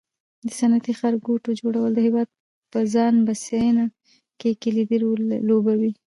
د صنعتي ښارګوټو جوړول د هېواد په ځان بسیاینه کې کلیدي رول لوبوي.